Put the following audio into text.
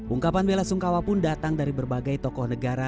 ungkapan bela sungkawa pun datang dari berbagai tokoh negara